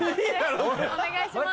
判定お願いします。